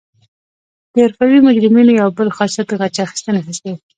د حرفوي مجرمینو یو بل خاصیت د غچ اخیستنې حس دی